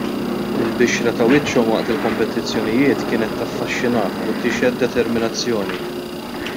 Il-bixra ta' wiċċhom waqt il-kompetizzjonijiet kienet taffaxxinak u tixhed determinazzjoni.